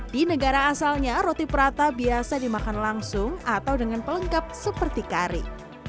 di negara asalnya roti prata biasa dimakan langsung atau dengan pelengkap seperti kari